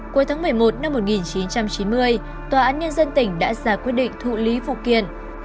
cuối tháng một mươi một năm một nghìn chín trăm chín mươi tòa án nhân dân tỉnh đã ra quyết định thụ lý phụ kiện